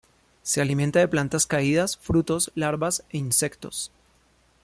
Se alimenta de plantas caídas, frutos, larvas e insectos.